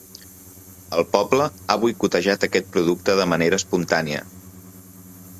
El poble ha boicotejat aquest producte de manera espontània.